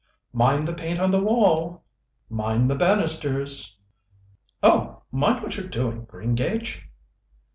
"Mind the paint on the wall!" "Mind the banisters!" "Oh, mind what you're doing, Greengage!"